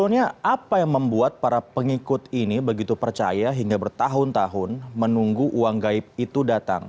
sebetulnya apa yang membuat para pengikut ini begitu percaya hingga bertahun tahun menunggu uang gaib itu datang